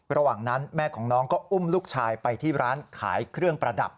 ระหว่างนั้นแม่ของน้องก็อุ้มลูกชายไปที่ร้านขายเครื่องประดับ